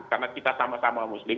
karena kita sama sama muslim